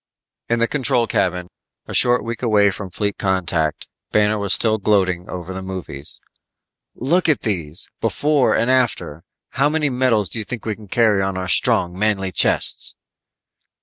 In the control cabin, a short week away from fleet contact, Banner was still gloating over the movies. "Look at these. Before and After. How many medals you think we can carry on our strong, manly chests?"